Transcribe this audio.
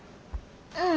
うん。